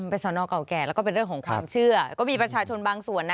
เป็นสอนเก่าแก่และความเชื่อก็มีประชาชนบางส่วนนะ